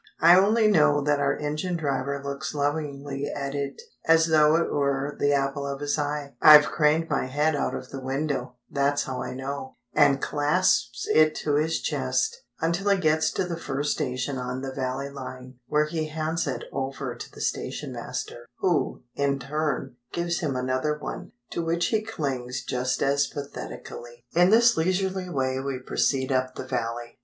I only know that our engine driver looks lovingly at it as though it were the apple of his eye (I've craned my head out of the window, that's how I know), and clasps it to his chest, until he gets to the first station on the Valley line, where he hands it over to the station master, who, in turn, gives him another one, to which he clings just as pathetically. In this leisurely way we proceed up the Valley.